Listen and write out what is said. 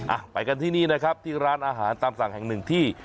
อ่ะไปกันที่นี่นะครับที่ร้านอาหารตามสั่งแห่งหนึ่งที่